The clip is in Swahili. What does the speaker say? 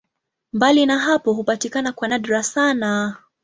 Mbali na hapo hupatikana kwa nadra sana.